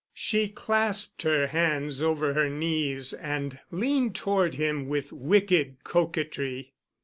She clasped her hands over her knees and leaned toward him with wicked coquetry.